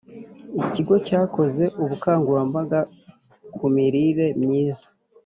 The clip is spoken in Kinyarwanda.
Ikigo cyakoze ubukangurambaga ku mirire myiza